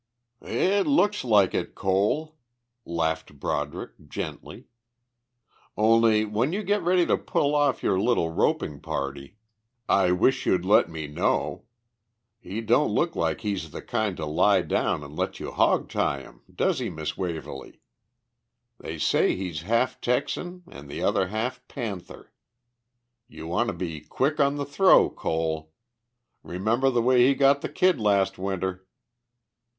"It looks like it, Cole," laughed Broderick gently. "Only when you get ready to pull off your little roping party I wish you'd let me know. He don't look like he's the kind to lie down and let you hog tie him, does he, Miss Waverly? They say he's half Texan an' the other half panther. You want to be quick on the throw, Cole. Remember the way he got the Kid last winter!"